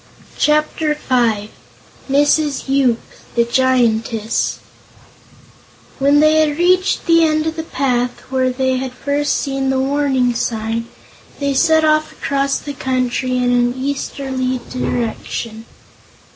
Chapter Five Mrs. Yoop, the Giantess When they had reached the end of the path, where they had first seen the warning sign, they set off across the country in an easterly direction.